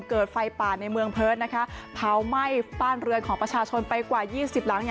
เกิดไฟป่าในเมืองเพิร์ตนะคะเผาไหม้บ้านเรือนของประชาชนไปกว่า๒๐หลัง